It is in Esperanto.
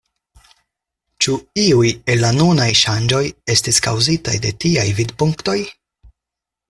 Ĉu iuj el la nunaj ŝanĝoj estis kaŭzitaj de tiaj vidpunktoj?